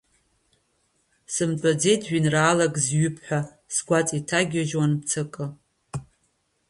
Сымтәаӡеит жәеинраалак зҩып ҳәа, сгәаҵа иҭагьежьуан мцакы.